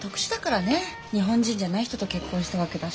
日本人じゃない人と結婚したわけだし。